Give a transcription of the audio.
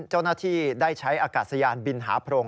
เจ้าหน้าที่ได้ใช้อากาศยานบินหาโพรง